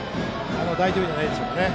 大丈夫じゃないでしょうかね。